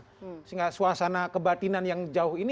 sehingga suasana kebatinan yang jauh ini